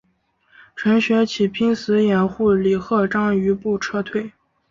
程学启拼死掩护李鹤章余部撤退。